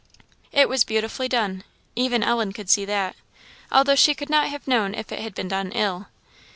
It was beautifully done. Even Ellen could see that, although she could not have known if it had been done ill.